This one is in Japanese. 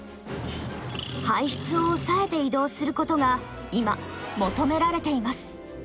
排出を抑えて移動することが今求められています。